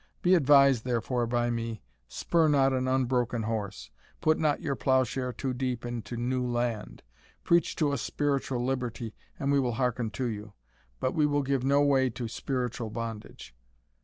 Be advised, therefore, by me Spur not an unbroken horse put not your ploughshare too deep into new land Preach to us spiritual liberty, and we will hearken to you. But we will give no way to spiritual bondage.